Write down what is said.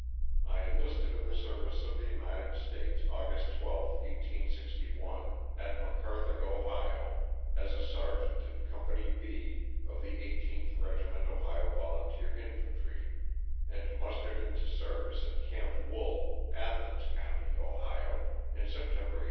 I enlisted in the service of the United States August 12, 1861, at McArthur, Ohio, as a sergeant in Company B of the 18th Regiment Ohio Volunteer Infantry, and mustered into the service at Camp Woolj Athens county, Ohio, in September, 1861.